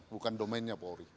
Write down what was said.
bukan domennya pori